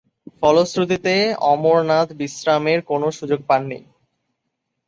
ফলশ্রুতিতে অমরনাথ বিশ্রামের কোন সুযোগ পাননি।